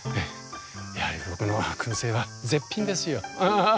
やはり僕の燻製は絶品ですよ。